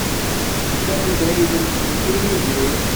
Sanda ay tent-yewwi Yidir?